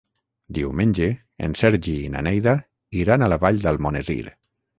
Diumenge en Sergi i na Neida iran a la Vall d'Almonesir.